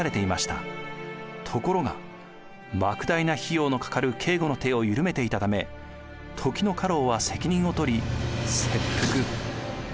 ところがばく大な費用のかかる警護の手をゆるめていたため時の家老は責任をとり切腹。